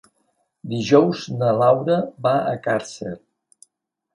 Dijous na Laura va a Càrcer.